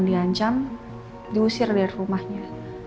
diancam diusir dari rumahnya